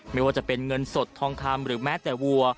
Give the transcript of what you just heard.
ไม่ว่าจะเป็นเงินสดทองคำหรือแม้แต่วัว